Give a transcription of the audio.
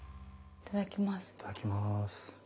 いただきます。